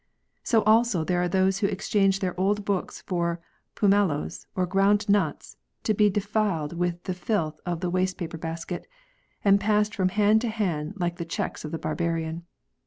So also there are those who exchange their old books for pumeloes or ground nuts, to be defiled with the filth of the waste paper basket, and passed from hand to hand like the cheques of the barbarian.